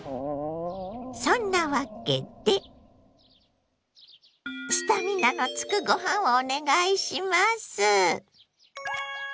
そんなわけでスタミナのつくご飯をお願いします。